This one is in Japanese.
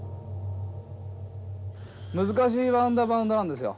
難しいバウンドはバウンドなんですよ。